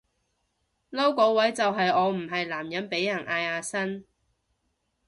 嬲個位就係我唔係男人被人嗌阿生